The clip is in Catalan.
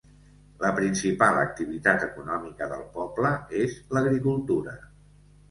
La principal activitat econòmica del poble és l'agricultura.